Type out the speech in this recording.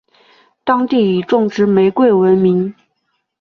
当地以种植玫瑰闻名。